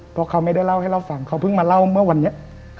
เพราะเขาไม่ได้เล่าให้เราฟังเขาเพิ่งมาเล่าเมื่อวันนี้